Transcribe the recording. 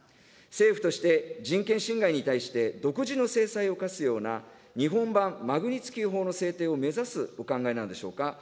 政府として、人権侵害に対して独自の制裁を科すような、日本版マグニツキー法の制定を目指すお考えなのでしょうか。